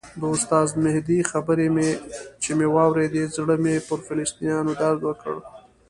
د استاد مهدي خبرې چې مې واورېدې زړه مې پر فلسطینیانو درد وکړ.